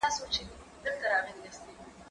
زه پوښتنه نه کوم.